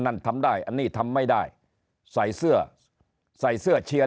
นั่นทำได้อันนี้ทำไม่ได้ใส่เสื้อใส่เสื้อเชียร์